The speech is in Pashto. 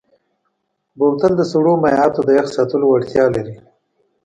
بوتل د سړو مایعاتو د یخ ساتلو وړتیا لري.